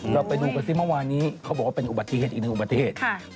เราไปดูกันสิเมื่อวานนี้เขาบอกว่าเป็นอุบัติเหตุอีกหนึ่งอุบัติเหตุ